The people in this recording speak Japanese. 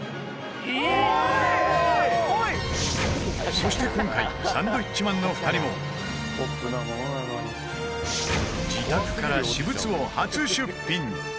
そして、今回サンドウィッチマンの２人も自宅から私物を初出品！